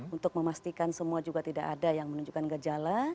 untuk memastikan semua juga tidak ada yang menunjukkan gejala